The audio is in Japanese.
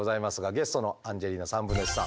ゲストのアンジェリーナ1/3さん。